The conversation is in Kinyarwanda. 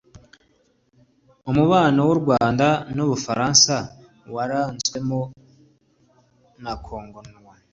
umubano w’u Rwanda n’u Bufaransa waranzwemo n’akangononwa